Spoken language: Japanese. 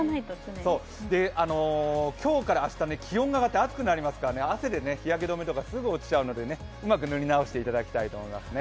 今日から明日、気温が上がって暑くなりますから汗で日焼け止めとかすぐに落ちちゃうのでうまく塗り直していただきたいと思いますね。